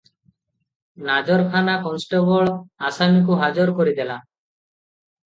ନାଜରଖାନା constable ଆସାମୀକୁ ହାଜର କରିଦେଲା ।